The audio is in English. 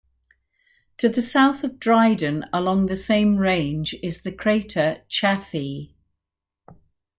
To the south of Dryden along the same range is the crater Chaffee.